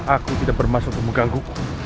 aku tidak bermaksud untuk menggangguku